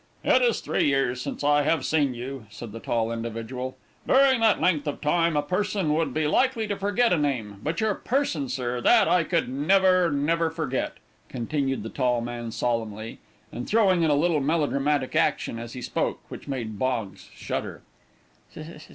"It is three years since I have seen you," said the tall individual. "During that length of time, a person would be likely to forget a name. But your person, sir, that I could never, never forget," continued the tall man, solemnly, and throwing in a little melo dramatic action, as he spoke, which made Boggs shudder.